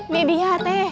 nih dia teh